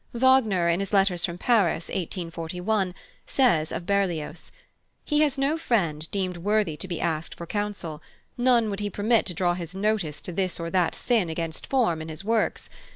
Wagner, in his letters from Paris, 1841, says of Berlioz: "He has no friend deemed worthy to be asked for counsel, none he would permit to draw his notice to this or that sin against form in his works.